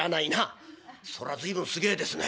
「そら随分すげえですね。